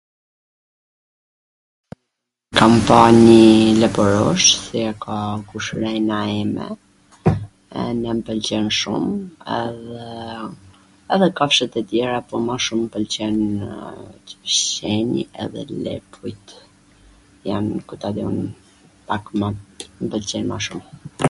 Kam pa nji lepurush qw e ka kushrina ime, ene m pwlqen shum, edhe kafshwt e tjera po mw shum mw pwlqenw qengji edhe lepujt, jan ku ta di un, pak mw, mw pwlqejn ma shum.